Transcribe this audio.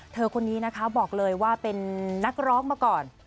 เธอคนนี้นะคะบอกเลยว่าเป็นนักร้องมาก่อน